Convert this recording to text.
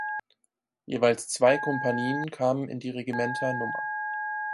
Jeweils zwei Kompanien kamen in die Regimenter Nr.